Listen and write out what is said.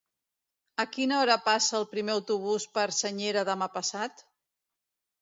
A quina hora passa el primer autobús per Senyera demà passat?